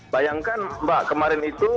bayangkan mbak kemarin itu